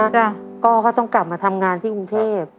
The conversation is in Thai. จ้ะก็ก็ต้องกลับมาทำงานที่กรุงเทพ